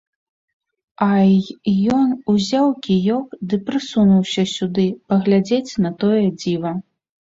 А й ён узяў кіёк ды прысунуўся сюды паглядзець на тое дзіва.